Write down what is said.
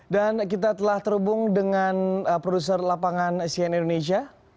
dan kita telah terhubung dengan produser lapangan aci indonesia